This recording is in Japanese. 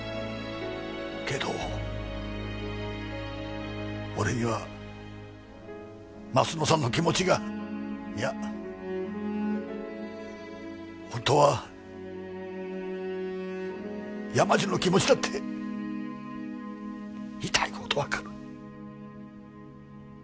けど俺には鱒乃さんの気持ちがいや本当は山路の気持ちだって痛いほどわかる。